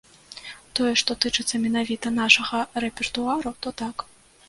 Тое, што тычыцца менавіта нашага рэпертуару, то так.